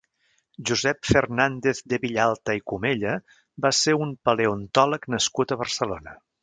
Josep Fernàndez de Villalta i Comella va ser un paleontòleg nascut a Barcelona.